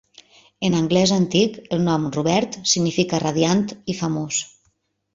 En anglès antic, el nom "Robert" significa 'radiant' i 'famós'.